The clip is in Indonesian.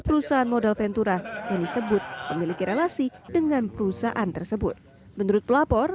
perusahaan modal ventura yang disebut memiliki relasi dengan perusahaan tersebut menurut pelapor